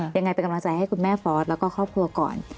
ยังไงเป็นกำลังใจให้คุณแม่ฟอสแล้วก็ครอบครัวก่อน